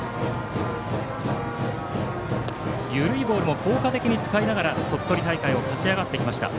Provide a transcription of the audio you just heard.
緩いボールも効果的に使いながら鳥取大会を勝ち上がりました。